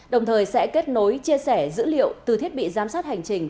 đồng thời sẽ kết nối chia sẻ dữ liệu từ thiết bị giám sát hành trình